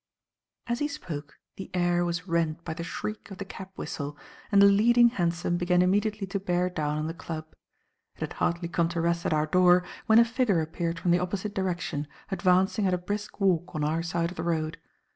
As he spoke, the air was rent by the shriek of the cab whistle, and the leading hansom began immediately to bear down on the club. It had hardly come to rest at our door when a figure appeared from the opposite direction, advancing at a brisk walk on our side of the road.